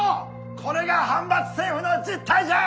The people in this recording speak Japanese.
これが藩閥政府の実態じゃ！